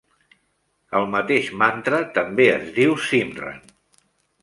El mateix mantra també es diu Simran.